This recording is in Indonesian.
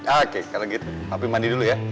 oke kalau gitu papi mandi dulu ya